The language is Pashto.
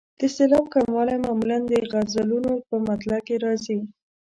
د سېلاب کموالی معمولا د غزلونو په مطلع کې راځي.